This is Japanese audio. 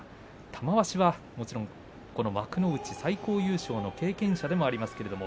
玉鷲はもちろんこの幕内最高優勝の経験者でもあります。